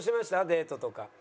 デートとか。